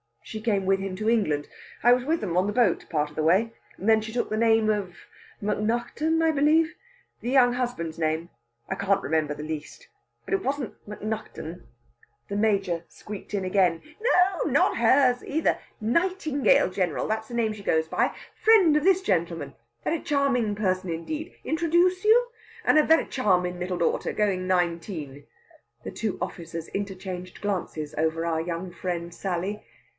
She came with him to England. I was with them on the boat, part of the way. Then she took the name of Macnaghten, I believe. The young husband's name I can't remember the least. But it wasn't Macnaghten." The Major squeaked in again: "No nor hers neither! Nightingale, General that's the name she goes by. Friend of this gentleman. Very charmin' person indeed! Introdooce you? And a very charmin' little daughter, goin' nineteen." The two officers interchanged glances over our young friend Sally.